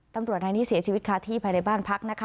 ตำรวจนายนี้เสียชีวิตคาที่ภายในบ้านพักนะคะ